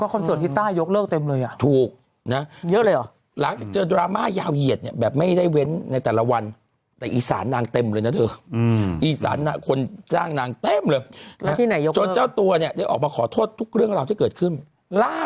ก็คอนเซิร์ตที่ต้ายยกเลิกเต็มเลยอ่ะ